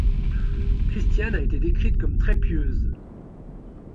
Christiane a été décrite comme très pieuse.